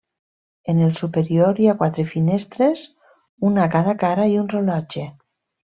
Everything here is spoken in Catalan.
En el superior hi ha quatre finestres, una a cada cara i un rellotge.